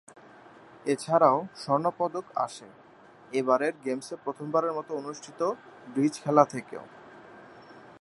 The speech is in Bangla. এছাড়াও স্বর্ণ-পদক আসে, এবারের গেমসে প্রথমবারের মত অনুষ্ঠিত ব্রিজ খেলা থেকেও।